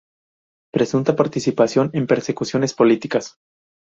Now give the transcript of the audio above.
Presunta participación en persecuciones políticas.